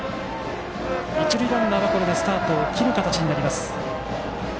一塁ランナーは、これでスタートを切る形になります。